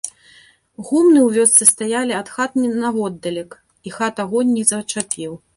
Гумны ў вёсцы стаялі ад хат наводдалек, і хат агонь не зачапіў.